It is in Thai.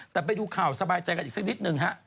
แต่ไปดูข่าวสบายใจกันอีกสักนิดนึงฮะ